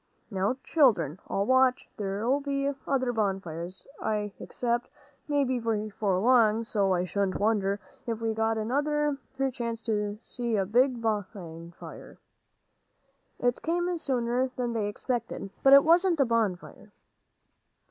"Now, children, I'll watch; there'll be other bonfires, I expect. Maybe before long; so I shouldn't wonder if we got another chance to see a big fire." It came sooner than they expected, but it wasn't a bonfire.